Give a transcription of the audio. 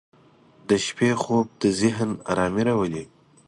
• د شپې خوب د ذهن آرامي راولي.